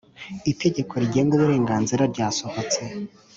itegekorigenga uburenganzira ryasohotse